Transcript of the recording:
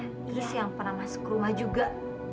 terus yang pernah masuk rumah juga